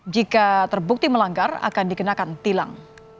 jika terbukti melanggar akan dikenakan tilang